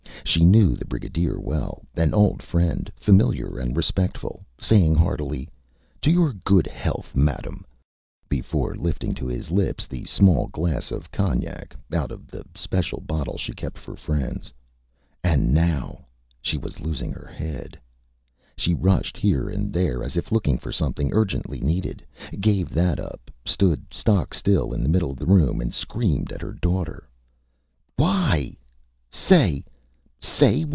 She knew the brigadier well an old friend, familiar and respectful, saying heartily, ÂTo your good health, Madame!Â before lifting to his lips the small glass of cognac out of the special bottle she kept for friends. And now! ... She was losing her head. She rushed here and there, as if looking for something urgently needed gave that up, stood stock still in the middle of the room, and screamed at her daughter ÂWhy? Say! Say!